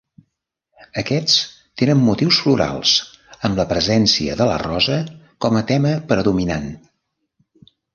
Aquests tenen motius florals amb la presència de la rosa com a tema predominant.